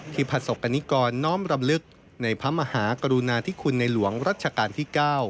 ประสบกรณิกรน้อมรำลึกในพระมหากรุณาธิคุณในหลวงรัชกาลที่๙